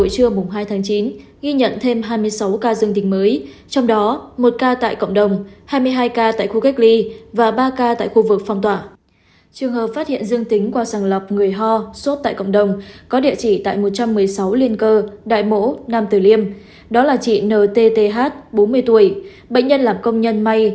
các bạn hãy đăng ký kênh để ủng hộ kênh của chúng mình nhé